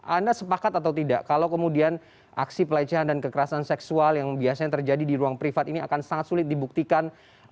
anda sepakat atau tidak kalau kemudian aksi pelecehan dan kekerasan seksual yang biasanya terjadi di ruang privat ini akan sangat sulit dibuktikan